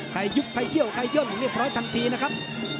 ยุบใครเขี้ยวใครย่นเรียบร้อยทันทีนะครับ